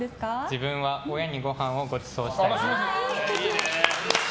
自分は親にごはんをご馳走したい。